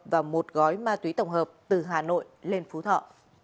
và một gói ma túy tổng hợp từ hà nội lên phú thọ